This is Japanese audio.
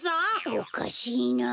おかしいなあ。